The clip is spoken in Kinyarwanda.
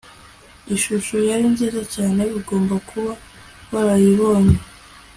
ishusho yari nziza cyane. ugomba kuba warabibonye